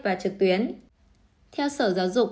và trực tuyến theo sở giáo dục